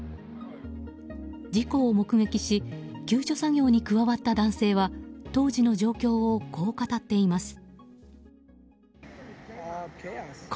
事故を目撃し救助作業に加わった男性は当時の状況をこう語っています。